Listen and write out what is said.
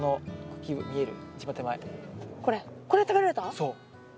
そう。